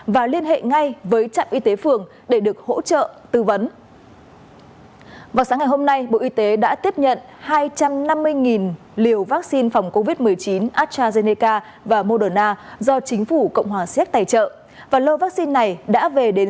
và liên hệ ngay với trạm y tế phường để được hỗ trợ tư vấn